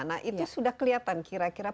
nah itu sudah kelihatan kira kira